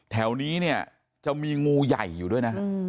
แถวนี้เนี่ยจะมีงูใหญ่อยู่ด้วยนะ